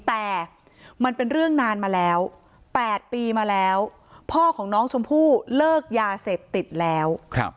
แต่มันเป็นเรื่องนานมาแล้ว๘ปีมาแล้วพ่อของน้องชมพู่เลิกยาเสพติดแล้ว